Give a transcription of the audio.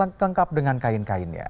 lengkap dengan kain kainnya